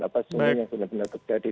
apa sungai yang benar benar terjadi